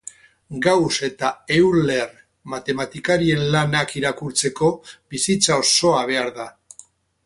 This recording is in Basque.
Gauss eta Euler matematikarien lanak irakurtzeko bizitza osoa behar da.